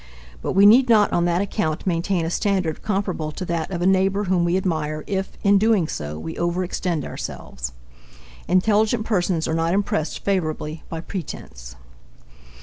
But we need not on that account maintain a standard comparable to that of a neighbor whom we admire if, in doing so, we overextend ourselves. Intelligent persons are not impressed favorably by pretense.